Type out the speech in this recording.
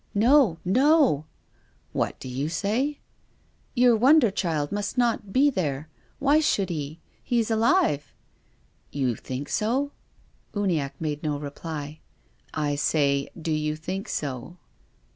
" No, no !"" What do you say ?"" Your wonder child must not be there. Why should he ? He is alive." " You think so ?" Uniacke made no reply. " I say, do you think so